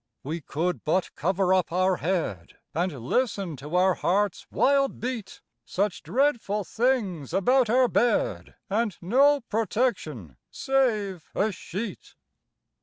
We could but cover up our head, And listen to our heart's wild beat Such dreadful things about our bed, And no protection save a sheet!